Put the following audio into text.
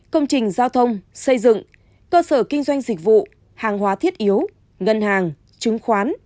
công trình giao thông xây dựng cơ sở kinh doanh dịch vụ hàng hóa thiết yếu ngân hàng chứng khoán